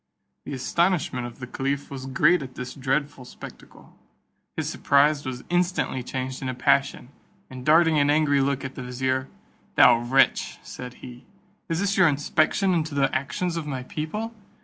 The astonishment of the caliph was great at this dreadful spectacle. His surprise was instantly changed into passion, and darting an angry look at the vizier, "Thou wretch," said he, "is this your inspection into the actions of my people?